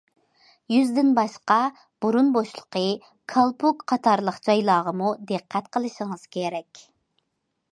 يۈزدىن باشقا بۇرۇن بوشلۇقى، كالپۇك قاتارلىق جايلارغىمۇ دىققەت قىلىشىڭىز كېرەك.